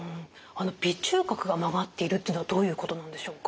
鼻中隔が曲がっているというのはどういうことなんでしょうか？